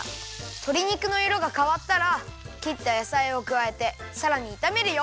とり肉のいろがかわったらきったやさいをくわえてさらにいためるよ。